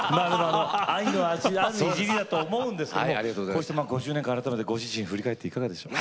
愛のあるいじりだと思うんですけどこうして５０年間、振り返っていかがでしょう？